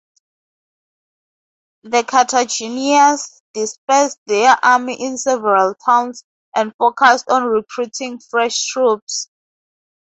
The Carthaginians dispersed their army in several towns and focused on recruiting fresh troops.